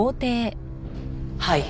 はい。